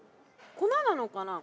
粉なのかな？